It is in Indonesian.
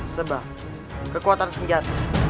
sebah kekuatan senjata